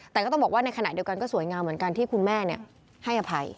แต่ก็ต้องบอกว่าในขณะเดียวกันก็สวยงามเหมือนกันที่คุณแม่ให้อภัย